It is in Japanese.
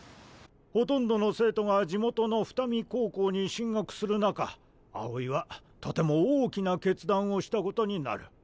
ほとんどの生徒が地元の双海高校に進学する中青井はとても大きな決断をしたことになる。